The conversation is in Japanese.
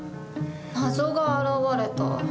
謎が現れた。